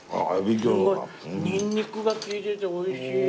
ニンニクが利いてておいしい。